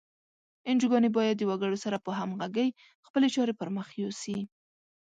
انجوګانې باید د وګړو سره په همغږۍ خپلې چارې پر مخ یوسي.